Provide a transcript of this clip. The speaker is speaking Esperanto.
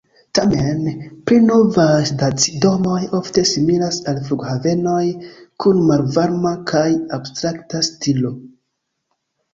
Tamen, pli novaj stacidomoj ofte similas al flughavenoj, kun malvarma kaj abstrakta stilo.